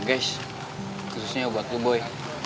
guys khususnya buat lu boy